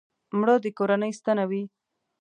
مړه د کورنۍ ستنه وه